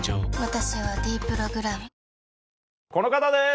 私は「ｄプログラム」この方です。